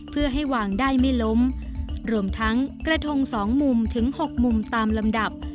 เพื่อให้วางได้ไม่ล้มรวมทั้งกระทงสองมุมถึง๖มุมตามลำดับ